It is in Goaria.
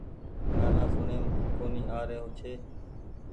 گآنا سوڻيم ڪونيٚ آ رو ڇي